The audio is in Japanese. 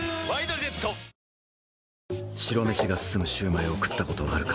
白飯が進むシュウマイを食ったことはあるか？